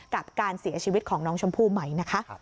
กับการเสียชีวิตของน้องชมพู่ไหมนะคะ